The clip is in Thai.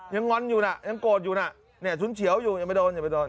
งอนอยู่น่ะยังโกรธอยู่น่ะเนี่ยชุนเฉียวอยู่ยังไม่โดนอย่าไปโดน